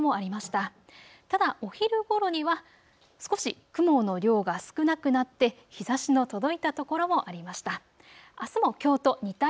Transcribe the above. ただお昼ごろには少し雲の量が少なくなって日ざしの届いた所もありました。